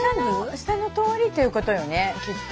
下の通りということよねきっと。